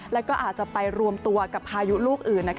แล้วก็อาจจะไปรวมตัวกับพายุลูกอื่น